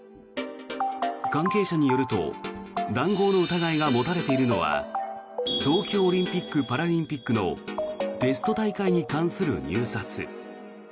関係者によると談合の疑いが持たれているのは東京オリンピック・パラリンピックのテスト大会に関する入札。